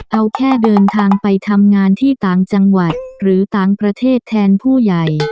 เอาแค่เดินทางไปทำงานที่ต่างจังหวัดหรือต่างประเทศแทนผู้ใหญ่